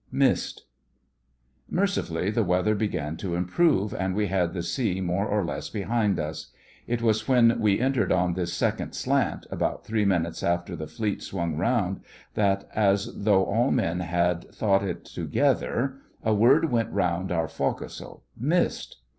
'MISSED!' Mercifully the weather began to improve, and we had the sea more or less behind us. It was when we entered on this second slant, about three minutes after the Fleet swung round, that, as though all men had thought it together, a word went round our forecastle—'Missed!